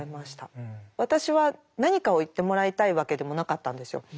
私は何かを言ってもらいたいわけでもなかったんですよ。